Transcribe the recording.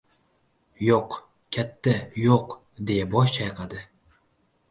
— Yo‘q, katta, yo‘q, — deya bosh chayqadi.